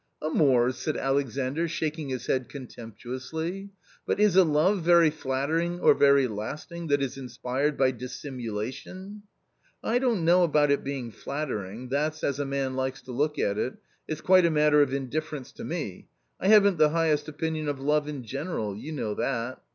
" Amours !" said Alexandr, shaking his head contemptu ously ;" but is a love very flattering or very lasting that is inspired by dissimulation ?"" I don't know about it being flattering, that's as a man likes to look at it ; it's quite a matter of indifference to me. I haven't the highest opinion of love in general — you know that.